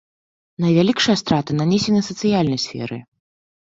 Найвялікшыя страты нанесены сацыяльнай сферы.